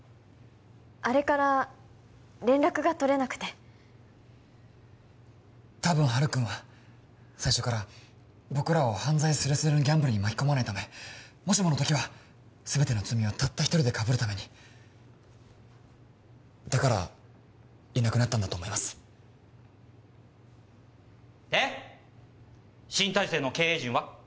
あれから連絡が取れなくて多分ハルくんは最初から僕らを犯罪すれすれのギャンブルに巻き込まないためもしもの時は全ての罪をたった一人でかぶるためにだからいなくなったんだと思いますで新体制の経営陣は？